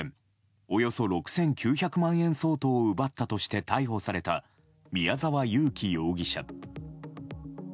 およそ６９００万円相当を奪ったとして逮捕された宮沢優樹容疑者。